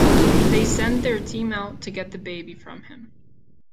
They send their teams out to get the baby from him.